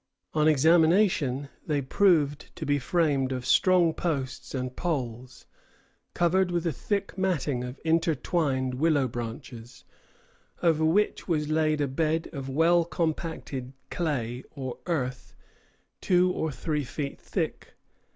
On examination they proved to be framed of strong posts and poles, covered with a thick matting of intertwined willow branches, over which was laid a bed of well compacted clay or earth two or three feet thick.